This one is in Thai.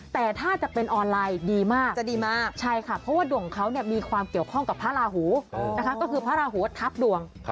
แต่ถ้าจะเป็นออนไลน์ดีมากจะดีมากใช่ค่ะเพราะว่าดวงเขามีความเกี่ยวข้องกับพระราหูนะคะก็คือพระราหูทับดวง